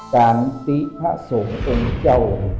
การติ๊ภ่าสงฆ์องเจ้า